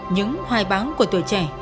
những hoài báng của tuổi trẻ